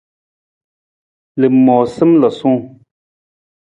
Lamoosam lasung.